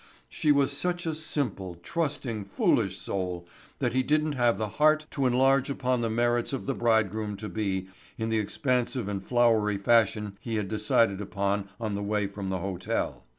She was such a simple, trusting, foolish soul that he didn't have the heart to enlarge upon the merits of the bridegroom to be in the expansive and flowery fashion he had decided upon on the way from the hotel.